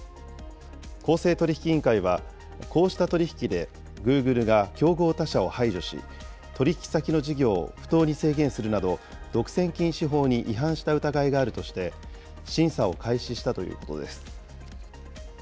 公正取引委員会は、こうした取り引きでグーグルが競合他社を排除し、取り引き先の事業を不当に制限するなど、独占禁止法に違反した疑いがあるとして、審査を開始したということです。